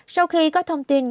sau khi có thông tin